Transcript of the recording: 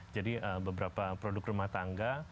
jadi beberapa produk rumah tangga